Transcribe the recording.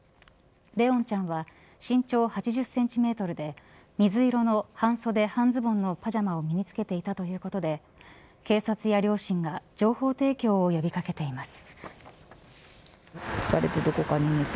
怜音ちゃんは身長８０センチメートルで水色の半袖、半ズボンのパジャマを身につけていたということで警察や両親が情報提供を呼び掛けています。